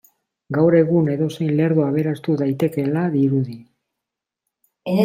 Gaur egun edozein lerdo aberastu daitekeela dirudi.